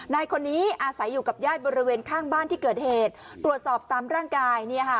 นายคนนี้อาศัยอยู่กับญาติบริเวณข้างบ้านที่เกิดเหตุตรวจสอบตามร่างกาย